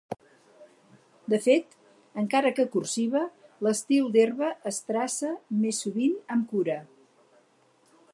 De fet, encara que cursiva, l'estil d'herba es traça més sovint amb cura.